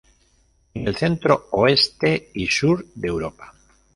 En el centro, oeste y sur de Europa.